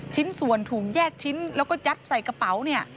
ชิ้นส่วนถูกแยกชิ้นแล้วก็ยัดใส่กระเป๋าเนี่ย